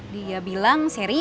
dia bilang serius